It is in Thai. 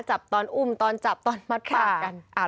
จับตอนอุ่มจับตอนมัดปากกัน